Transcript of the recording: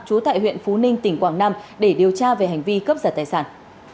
chú tại huyện phú ninh tỉnh quảng nam để điều tra về hành vi cấp giật tài sản